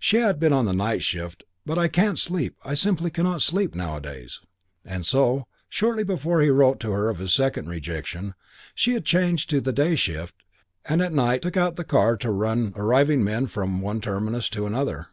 She had been on the night shift "but I can't sleep, I simply cannot sleep nowadays"; and so, shortly before he wrote to her of his second rejection, she had changed on to the day shift and at night took out the car to run arriving men from one terminus to another.